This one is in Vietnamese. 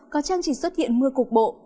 có chăng chỉ xuất hiện mưa cục bộ